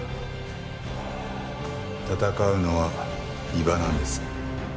戦うのは伊庭なんです。